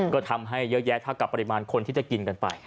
ก็ทำให้เยอะแยะเท่ากับปริมาณคนที่จะกินกันไป